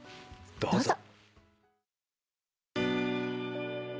どうぞ。